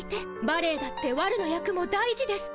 バレエだってわるの役も大事です。